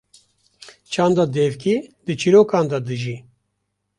çanda devkî di çîrokan de dije.